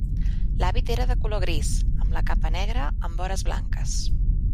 L'hàbit era de color gris, amb la capa negra amb vores blanques.